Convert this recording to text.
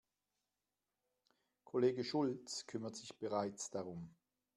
Kollege Schulz kümmert sich bereits darum.